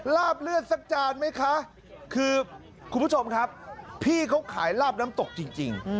ลาบเลือดสักจานไหมคะคือคุณผู้ชมครับพี่เขาขายลาบน้ำตกจริง